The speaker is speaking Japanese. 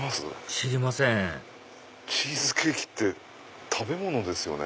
知りませんチーズケーキって食べ物ですよね。